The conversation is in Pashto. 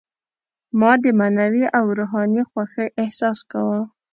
ما د معنوي او روحاني خوښۍ احساس کاوه.